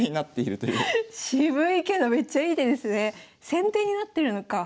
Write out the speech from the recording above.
先手になってるのか。